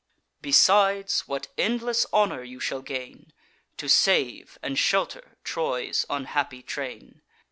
Besides, what endless honour you shall gain, To save and shelter Troy's unhappy train!